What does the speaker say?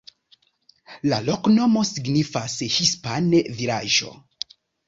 La loknomo signifas hispane: vilaĝo.